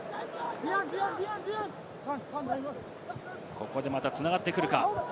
ここでまた繋がってくるか。